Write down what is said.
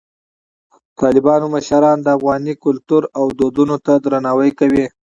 د طالبانو مشران د افغاني کلتور او دودونو ته درناوی کوي.